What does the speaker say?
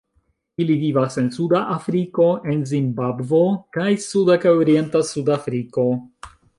Ili vivas en Suda Afriko en Zimbabvo kaj suda kaj orienta Sudafriko.